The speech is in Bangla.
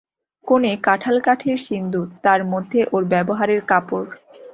কোণে কাঁঠাল-কাঠের সিন্দুক, তার মধ্যে ওর ব্যবহারের কাপড়।